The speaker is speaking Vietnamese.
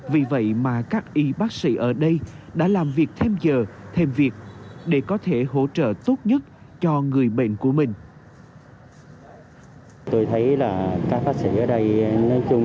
vì vậy mà các y bác sĩ ở đây đã làm việc với bệnh nhân fileur